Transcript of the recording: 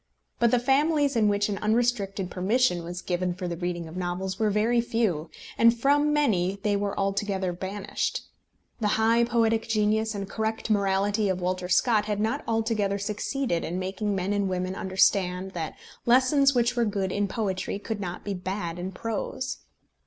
But the families in which an unrestricted permission was given for the reading of novels were very few, and from many they were altogether banished. The high poetic genius and correct morality of Walter Scott had not altogether succeeded in making men and women understand that lessons which were good in poetry could not be bad in prose.